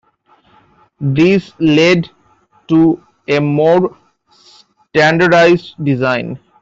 This led to a more standardized design.